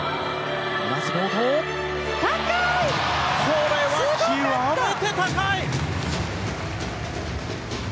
これは極めて高かった！